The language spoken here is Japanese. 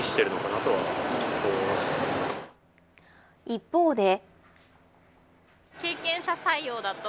一方で。